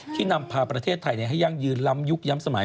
นำพาประเทศไทยให้ยั่งยืนล้ำยุคย้ำสมัย